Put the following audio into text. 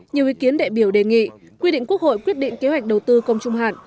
nhiều ý kiến đại biểu đề nghị quy định quốc hội quyết định kế hoạch đầu tư công trung hạn